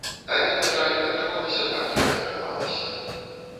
Але, на жаль, атрымалася так, як атрымалася.